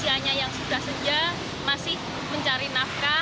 bahwa diusianya yang sudah sempurna masih mencari nafkah